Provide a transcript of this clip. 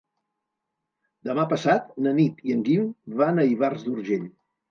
Demà passat na Nit i en Guim van a Ivars d'Urgell.